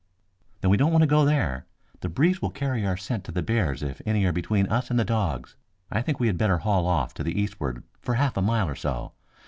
"Then we don't want to go there. The breeze will carry our scent to the bears if any are between us and the dogs. I think we had better haul off to the eastward for half a mile or so.